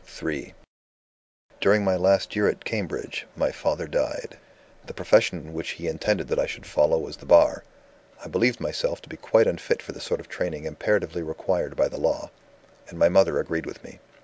III "During my last year at Cambridge, my father died. "The profession which he had intended that I should follow was the Bar. I believed myself to be quite unfit for the sort of training imperatively required by the Law; and my mother agreed with me.